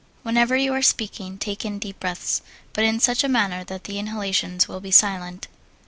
Whenever you are speaking, take in deep breaths, but in such a manner that the inhalations will be silent.